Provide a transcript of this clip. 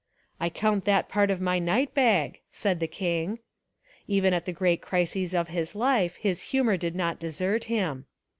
"I count that part of my night bag," said the king. Even at the great crises of his life his humour did not desert him.